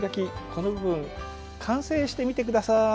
この部分完成してみてください。